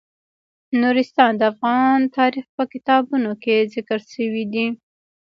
نورستان د افغان تاریخ په کتابونو کې ذکر شوی دي.